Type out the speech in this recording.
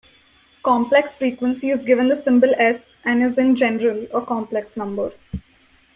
Complex frequency is given the symbol "s" and is, in general, a complex number.